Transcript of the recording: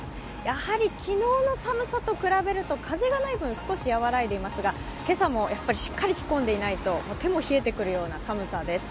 やはり昨日の寒さと比べると、風がない分、少し和らいでいますが今朝もしっかり着込んでいないと手も冷えてくるような寒さです。